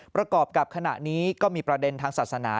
ประกอบกับขณะนี้ก็มีประเด็นทางศาสนา